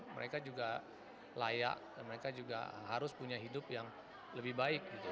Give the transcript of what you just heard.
mereka juga layak dan mereka juga harus punya hidup yang lebih baik gitu